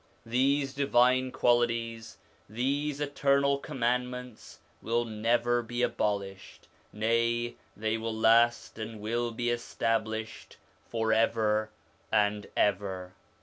These divine qualities, these eternal commandments, will never be abolished ; nay, they will last and will be established for ever and ever.